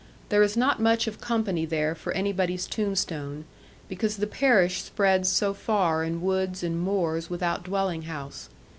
There is not much of company there for anybody's tombstone, because the parish spreads so far in woods and moors without dwelling house.